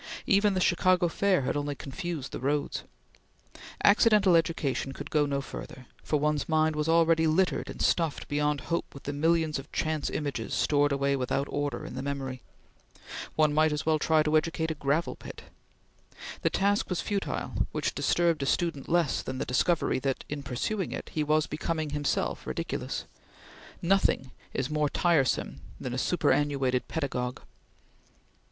Even the Chicago Fair had only confused the roads. Accidental education could go no further, for one's mind was already littered and stuffed beyond hope with the millions of chance images stored away without order in the memory. One might as well try to educate a gravel pit. The task was futile, which disturbed a student less than the discovery that, in pursuing it, he was becoming himself ridiculous. Nothing is more tiresome than a superannuated pedagogue.